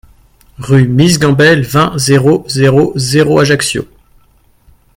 Rue Miss Campbell, vingt, zéro zéro zéro Ajaccio